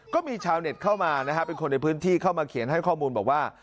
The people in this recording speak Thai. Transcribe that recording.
ก็มีชาวเน็ตเข้ามานะฮะเป็นคนในพื้นที่เข้ามาเขียนให้ข้อมูลบอกว่า